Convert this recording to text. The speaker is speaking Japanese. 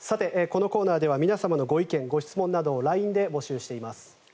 このコーナーでは皆様のご意見・ご質問などをＬＩＮＥで募集しています。